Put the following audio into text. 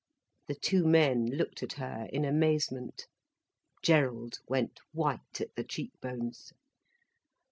The two men looked at her in amazement. Gerald went white at the cheek bones.